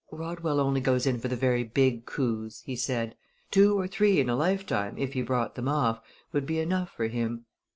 "Rodwell only goes in for the very big coups," he said. "Two or three in a lifetime, if he brought them off, would be enough for him.